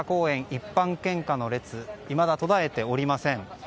一般献花の列いまだ途絶えておりません。